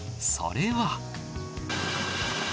それは。